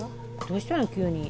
どうしたの急に。